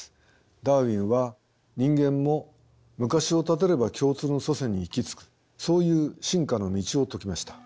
ダーウィンは人間も昔をたどれば共通の祖先に行き着くそういう進化の道を説きました。